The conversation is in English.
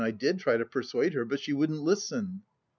I did try to persuade her, but she wouldn't listen."